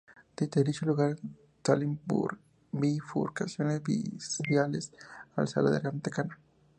De dicho lugar salen bifurcaciones viales al Salar de Atacama.